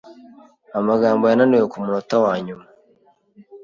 Amagambo yananiwe kumunota wanyuma.